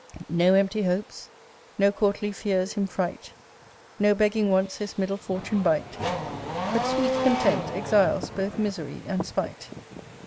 No empty hopes, no courtly fears him fright; No begging wants his middle fortune bite: But sweet content exiles both misery and spite.